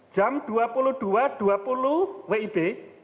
jam dua puluh dua dua puluh wib